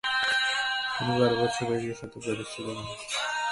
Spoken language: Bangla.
তিনি বারো বৎসর বয়সে সদ্য প্রতিষ্ঠিত ব্যান্ডন এন্ডোয়েড স্কুলে ভর্তি হন।